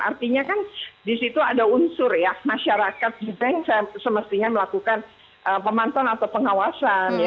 artinya kan di situ ada unsur ya masyarakat juga yang semestinya melakukan pemantauan atau pengawasan